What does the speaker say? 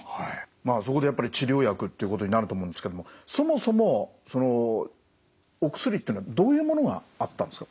まあそこでやっぱり治療薬ということになると思うんですけどもそもそもそのお薬っていうのはどういうものがあったんですか？